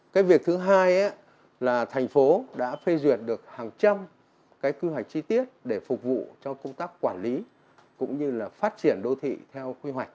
cái việc thứ hai là thành phố đã phê duyệt được hàng trăm cái quy hoạch chi tiết để phục vụ cho công tác quản lý cũng như là phát triển đô thị theo quy hoạch